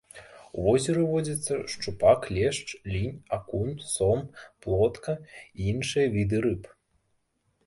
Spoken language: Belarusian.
У возеры водзяцца шчупак, лешч, лінь, акунь, сом, плотка і іншыя віды рыб.